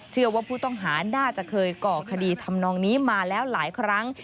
เชื่อว่าผู้ต้องหาน่าจะเคยก่อคดีทำนองนี้มาแล้วหลายครั้ง